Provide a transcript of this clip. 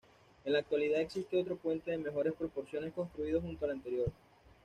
En la actualidad existe otro puente de mejores proporciones construido junto al anterior.